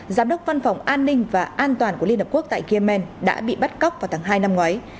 giám đốc văn phòng an ninh và an toàn của liên hợp quốc tại yemen đã bị bắt cóc vào tháng hai năm ngoái